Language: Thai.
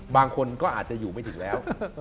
บางคนก็อาจจะอยู่ไม่ถึงแล้ว